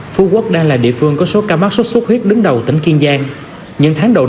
phú quốc đang là địa phương có số ca mắc sốt xuất huyết đứng đầu tỉnh kiên giang những tháng đầu